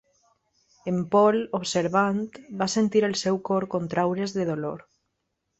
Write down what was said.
En Paul, observant, va sentir el seu cor contraure's de dolor.